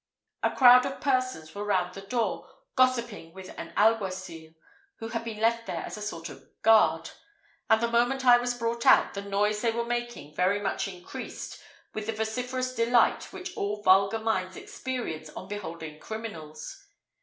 A crowd of persons were round the door, gossiping with an alguacil, who had been left there as a sort of guard; and the moment I was brought out, the noise they were making very much increased with the vociferous delight which all vulgar minds experience on beholding criminals.